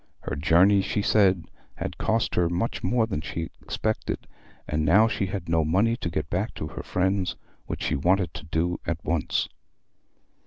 Her journey, she said, had cost her much more than she expected, and now she had no money to get back to her friends, which she wanted to do at once.